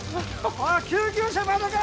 おい救急車まだか？